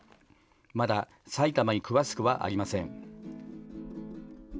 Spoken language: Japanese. まだ埼玉に詳しくはありません。